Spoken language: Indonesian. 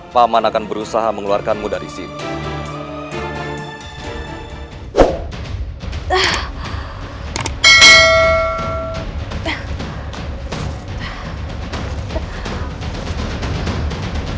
paman akan berusaha mengeluarkanmu dari sini